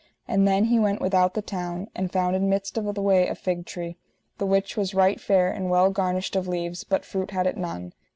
And then He went without the town, and found in midst of the way a fig tree, the which was right fair and well garnished of leaves, but fruit had it none.